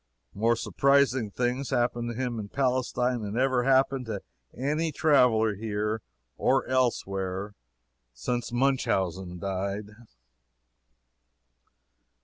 More surprising things happened to him in Palestine than ever happened to any traveler here or elsewhere since Munchausen died.